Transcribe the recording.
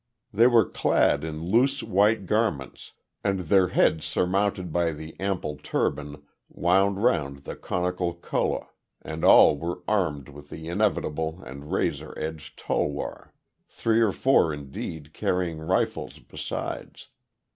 They were clad in loose white garments, and their heads surmounted by the ample turban wound round the conical kulla and all were armed with the inevitable and razor edged tulwar, three or four indeed carrying rifles besides.